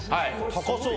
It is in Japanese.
高そう。